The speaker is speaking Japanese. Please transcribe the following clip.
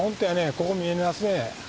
ここ見えますね